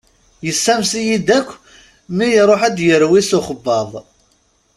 Yessames-iyi-d akk mi iṛuḥ ad yerwi s uxebbaḍ.